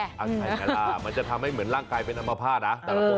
อันนี้ไงล่ะมันจะทำให้เหมือนร่างกายเป็นธรรมภาพนะ